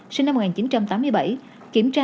sinh năm một nghìn chín trăm tám mươi bảy kiểm tra